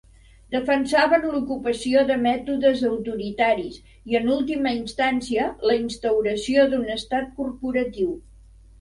Defensaven l'ocupació de mètodes autoritaris i en última instància, la instauració d'un estat corporatiu.